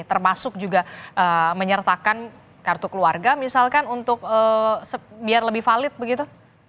termasuk juga menyertakan kartu keluarga misalkan untuk biar lebih valid begitu